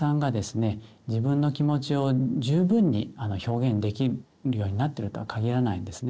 自分の気持ちを十分に表現できるようになってるとは限らないんですね。